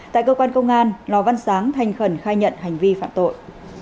tại cơ quan công an lò văn sáng thanh khẩn khai nhận hành vi phạm tội